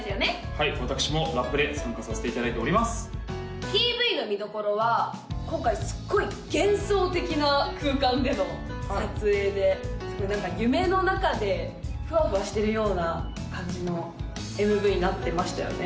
はい私もラップで参加させていただいておりますＰＶの見どころは今回すっごい幻想的な空間での撮影ですごい何か夢の中でフワフワしてるような感じのＭＶになってましたよね？